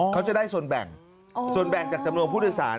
เขาจะได้ส่วนแบ่งส่วนแบ่งจากจำนวนผู้โดยสาร